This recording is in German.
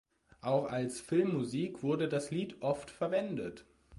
Auch als Filmmusik wurde das Lied oft verwendet.